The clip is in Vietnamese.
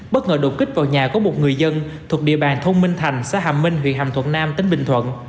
bất ngờ đột kích vào nhà có một người dân thuộc địa bàn thông minh thành xã hàm minh huyện hàm thuận nam tính bình thuận